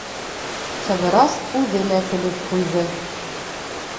Ҡыҙырас үҙе лә көлөп ҡуйҙы.